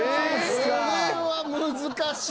これは難しい。